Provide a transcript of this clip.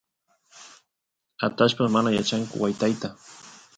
atallpas mana yachanku wytayta